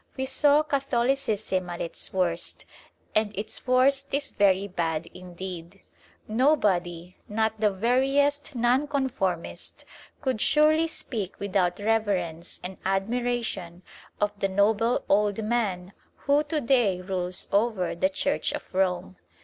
We saw Catholicism at its worst, and its worst is very bad indeed. Nobody, not the veriest Non conformist, could surely speak without reverence and admiration of the noble old man who to day rules over the Church of Rome.